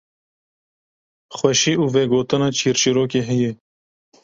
xweşî û vegotina çîrçîrokê heye